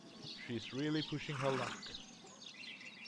She's really pushing her luck!